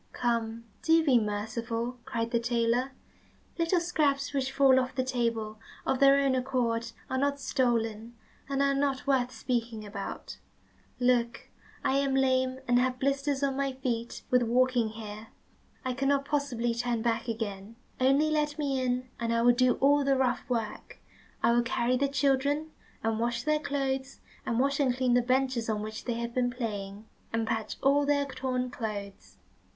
"Come, do be merciful," cried the tailor. "Little scraps which fall off the table of their own accord are not stolen, and are not worth speaking about. Look, I am lame, and have blisters on my feet with walking here, I cannot possibly turn back again. Only let me in, and I will do all the rough work. I will carry the children, and wash their clothes, and wash and clean the benches on which they have been playing, and patch all their torn clothes."